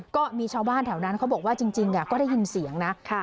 ก็มีชาวบ้านแถวนั้นเขาบอกว่าจริงก็ได้ยินเสียงนะ